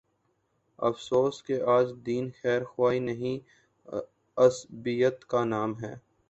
افسوس کہ آج دین خیر خواہی نہیں، عصبیت کا نام ہے۔